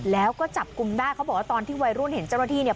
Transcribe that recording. แล้วก็จับกลุ่มได้เขาบอกว่าตอนที่วัยรุ่นเห็นเจ้าหน้าที่เนี่ย